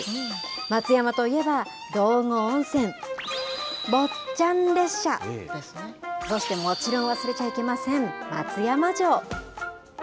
松山といえば、道後温泉、坊ちゃん列車、そしてもちろん忘れちゃいけません、松山城。